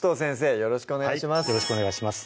よろしくお願いします